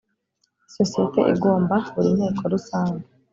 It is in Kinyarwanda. Isosiyete igomba buri nteko rusange .